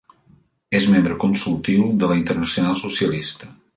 És membre consultiu de la Internacional Socialista.